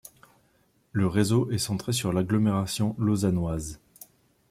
Le réseau est centré sur l'agglomération lausannoise.